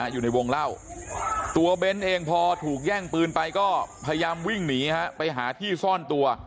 อยู่ในวงเล่าตัวเบ้นเองพอถูกแย่งปืนไปก็พยายามวิ่งหนีไปหาที่ซ่อนตัว